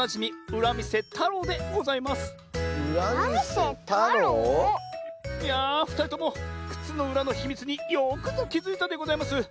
うらみせたろう？いやふたりともくつのうらのひみつによくぞきづいたでございます。